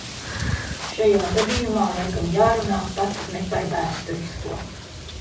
Šajā gadījumā laikam jārunā pat ne par vēsturisko.